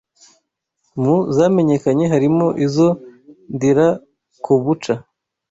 Mu zamenyekanye harimo izo Ndirakobuca